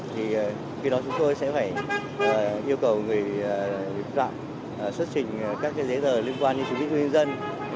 thì khi đó chúng tôi sẽ phải yêu cầu người đi bộ vi phạm xuất trình các dế dờ liên quan đến chủ nghĩa của nhân dân